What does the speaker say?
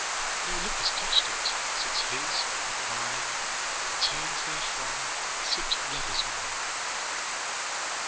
No lip has touched it since his and mine In turns therefrom sipped lovers' wine.'